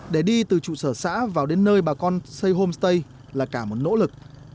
để đi từ trụ sở xã vào đến nơi bà con xây homestay là cả một nỗ lực